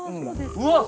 うわっ！